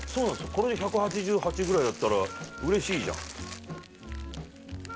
これで１８８ぐらいだったらうれしいじゃん。